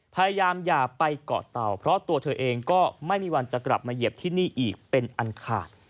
อย่าไปเกาะเตาเพราะตัวเธอเองก็ไม่มีวันจะกลับมาเหยียบที่นี่อีกเป็นอันขาด